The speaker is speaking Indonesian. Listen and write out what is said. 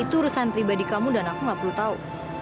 itu urusan pribadi kamu dan aku gak perlu tahu